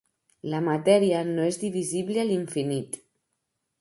La matèria no és divisible a l'infinit.